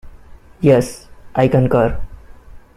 Yes, I concur.